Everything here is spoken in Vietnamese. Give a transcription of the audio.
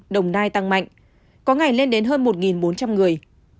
đồng nai tăng mạnh có ngày lên đến hơn một bốn trăm linh người